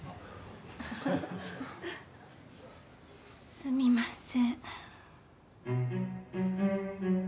すみません。